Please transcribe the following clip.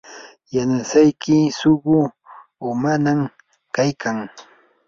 yanasayki suqu umanam kaykan.